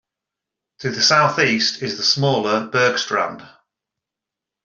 To the southeast is the smaller Bergstrand.